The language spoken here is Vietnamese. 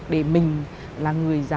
để mình là người giáo